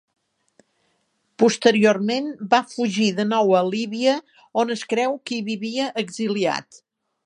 Posteriorment va fugir de nou a Líbia, on es creu que hi vivia exiliat.